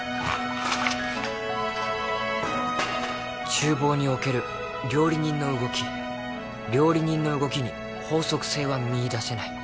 「厨房における料理人の動き」「料理人の動きに法則性は見いだせない」